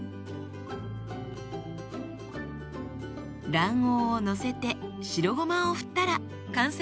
卵黄をのせて白ごまを振ったら完成です。